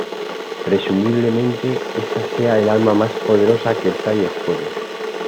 Presumiblemente, esta sea el arma más poderosa que trae el juego.